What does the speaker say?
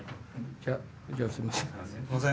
じゃあすいません。